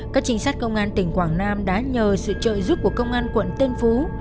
các trinh sát công an tỉnh quảng nam đã nhờ sự trợ giúp của công an quận tân phú